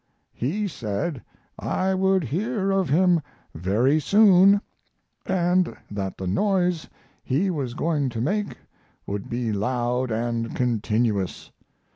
He said I would hear of him very soon, and that the noise he was going to make would be loud and continuous.